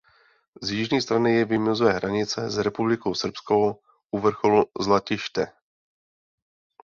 Z jižní strany jej vymezuje hranice s Republikou srbskou u vrcholu Zlatište.